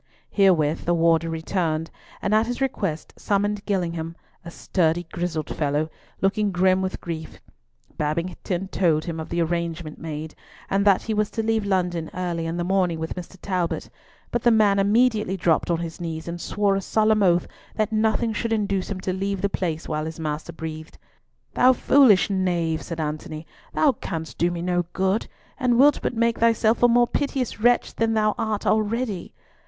Herewith the warder returned, and at his request summoned Gillingham, a sturdy grizzled fellow, looking grim with grief. Babington told him of the arrangement made, and that he was to leave London early in the morning with Mr. Talbot, but the man immediately dropped on his knees and swore a solemn oath that nothing should induce him to leave the place while his master breathed. "Thou foolish knave," said Antony, "thou canst do me no good, and wilt but make thyself a more piteous wretch than thou art already.